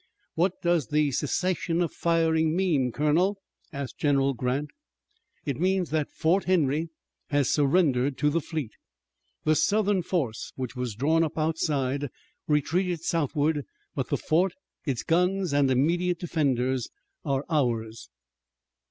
"What does the cessation of firing mean, Colonel?" asked General Grant. "It means that Fort Henry has surrendered to the fleet. The Southern force, which was drawn up outside, retreated southward, but the fort, its guns and immediate defenders, are ours."